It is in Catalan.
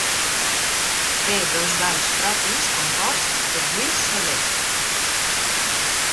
Té dos balls propis composts per Lluís Soler.